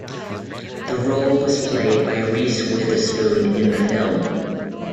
The role was played by Reese Witherspoon in the film.